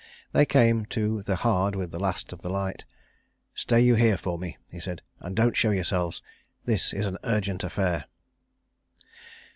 They came in to the hard with the last of the light. "Stay you here for me," he said, "and don't show yourselves. This is an urgent affair."